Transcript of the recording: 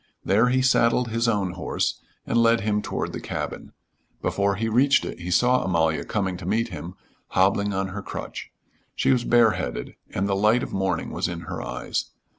There he saddled his own horse and led him toward the cabin. Before he reached it he saw Amalia coming to meet him, hobbling on her crutch. She was bareheaded and the light of morning was in her eyes.